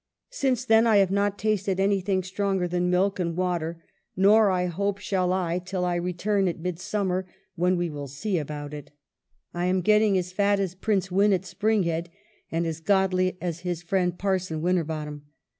Since then I have not tasted anything stronger than milk and water, nor, I hope, shall I till I return at mid summer, when we will see about it. I am get ting as fat as Prince Win at Springhead and as godly as his friend Parson Winterbottom.